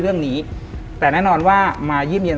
เรื่องนี้แต่แน่นอนว่ามายี่อิน